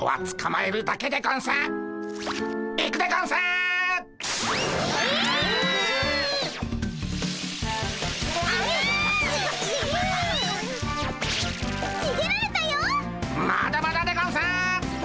まだまだでゴンス！